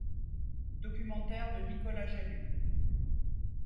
Documentaire de Nicolas Jalu.